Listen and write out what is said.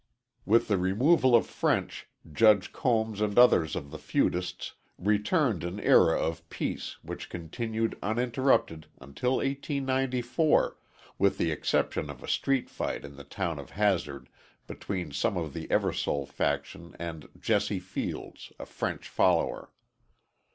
With the removal of French, Judge Combs and others of the feudists returned an era of peace which continued uninterrupted until 1894, with the exception of a street fight in the town of Hazard between some of the Eversole faction and Jesse Fields, a French follower.